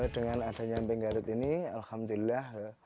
dengan ada nyamping garut ini alhamdulillah